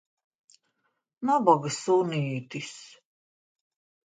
Nabaga sunītis.